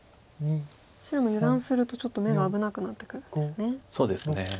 白も油断するとちょっと眼が危なくなってくるんですね。